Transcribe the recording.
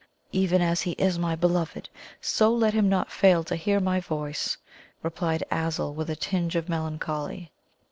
"Even as he is my Beloved, so let him not fail to hear my voice," replied Azul, with a tinge of melancholy.